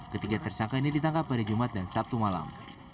ketiga tersangka ini ditangkap pada jumat dan sabtu malam